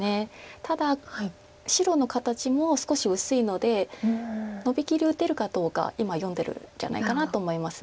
ただ白の形も少し薄いのでノビきり打てるかどうか今読んでるんじゃないかなと思います。